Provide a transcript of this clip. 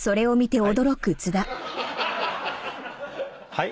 はい？